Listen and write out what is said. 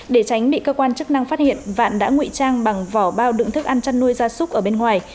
để tránh bị cơ quan chức năng phát hiện vạn đã ngụy trang bằng vỏ bao đựng thức ăn chăn nuôi gia súc ở bên ngoài